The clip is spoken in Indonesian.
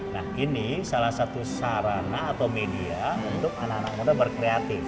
nah ini salah satu sarana atau media untuk anak anak muda berkreatik